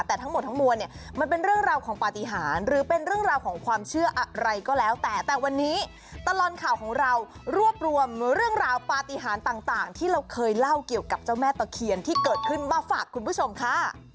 แต่ทั้งหมดทั้งมวลเนี่ยมันเป็นเรื่องราวของปฏิหารหรือเป็นเรื่องราวของความเชื่ออะไรก็แล้วแต่แต่วันนี้ตลอดข่าวของเรารวบรวมเรื่องราวปฏิหารต่างที่เราเคยเล่าเกี่ยวกับเจ้าแม่ตะเคียนที่เกิดขึ้นมาฝากคุณผู้ชมค่ะ